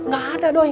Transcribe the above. gak ada doi